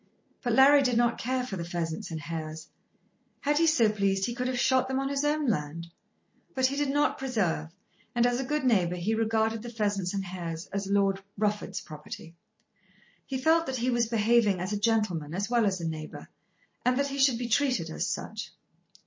But Larry did not care for the pheasants and hares. Had he so pleased he could have shot them on his own land; but he did not preserve, and, as a good neighbour, he regarded the pheasants and hares as Lord Rufford's property. He felt that he was behaving as a gentleman as well as a neighbour, and that he should be treated as such.